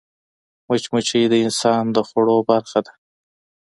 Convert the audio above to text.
مچمچۍ د انسان د خوړو برخه ده